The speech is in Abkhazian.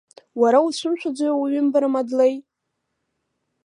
Уара уацәымшәаӡои ауаҩымбара, Мадлеи?